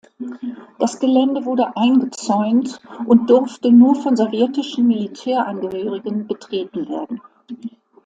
Das Gelände wurde eingezäunt und durfte nur von sowjetischen Militärangehörigen betreten werden.